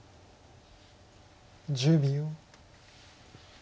１０秒。